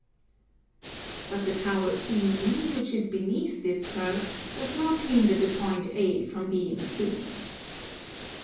But the tower E, which is beneath this curve, does not hinder the point A from being seen.